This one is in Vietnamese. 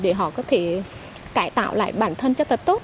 để họ có thể cải tạo lại bản thân cho thật tốt